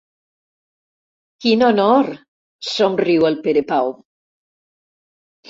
Quin honor! —somriu el Perepau.